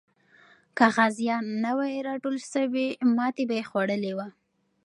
که غازیان نه وای راټول سوي، ماتې به یې خوړلې وه.